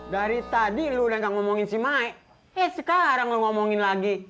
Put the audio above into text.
dari tadi lu udah gak ngomongin si maek eh sekarang lu ngomongin lagi